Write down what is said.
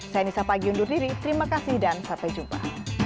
saya nisa pagi undur diri terima kasih dan sampai jumpa